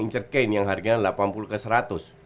incercane yang harganya lep falpul ke seratus